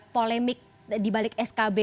polemik dibalik skb